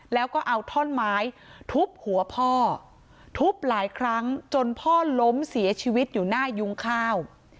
แล้วก็เอาท่อนไม้ทุบหัวพ่อทุบหลายครั้งจนพ่อล้มเสียชีวิตอยู่หน้ายุ้งข้าว